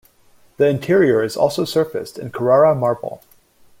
The interior is also surfaced in Carrara marble.